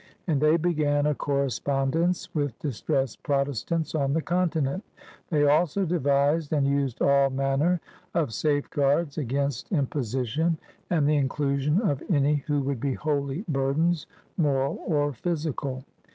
And they began a correspondence with distressed Protes tants on the Continent. They also devised and used all manner of safeguards against imposition and the inclusion of any who would be wholly burdens, moral or physical.